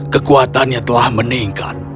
kekuatannya telah meningkat